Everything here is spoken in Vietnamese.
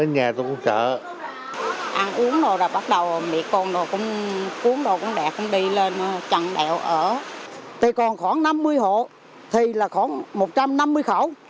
thì còn khoảng năm mươi hộ thì là khoảng một trăm năm mươi khẩu